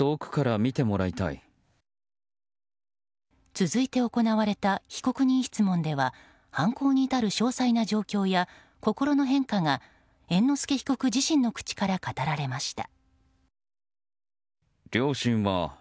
続いて行われた被告人質問では犯行に至る詳細な状況や心の変化が猿之助被告自身の口から語られました。